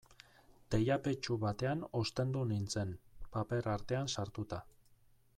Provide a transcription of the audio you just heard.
Teilapetxu batean ostendu nintzen, paper artean sartuta.